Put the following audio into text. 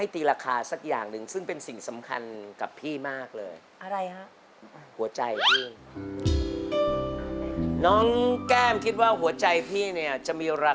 พลาสติกมันเบาเนอะกว่าจะได้รู้